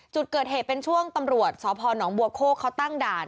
จุดเกิดเหตุเป็นช่วงตำรวจสพนบัวโคกเขาตั้งด่าน